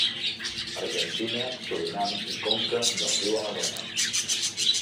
Argentina, Surinam i conca del riu Amazones.